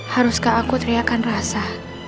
haruskah aku teriakan rasa